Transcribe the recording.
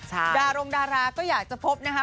ดารงดาราก็อยากจะพบนะคะ